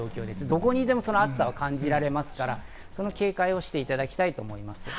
どこにいても暑さは感じられますから、その警戒をしていただきたいと思います。